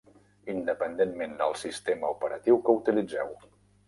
Independentment del sistema operatiu que utilitzeu.